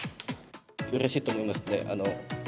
うれしいと思いますね。